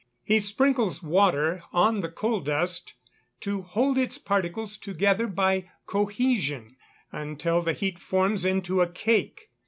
He sprinkles water on the coal dust to hold its particles together by cohesion, until the heat forms it into a cake.